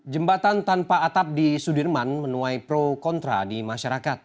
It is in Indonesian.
jembatan tanpa atap di sudirman menuai pro kontra di masyarakat